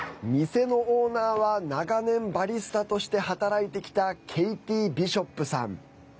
店のオーナーは長年バリスタとして働いてきたケイティ・ビショップさん。